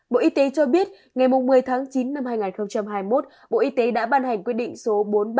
bộ y tế cho biết ngày một mươi tháng chín năm hai nghìn hai mươi một bộ y tế đã ban hành quyết định số bốn nghìn ba trăm năm mươi năm